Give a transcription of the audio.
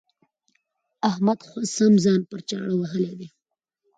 احمد ښه سم ځان په چاړه وهلی دی.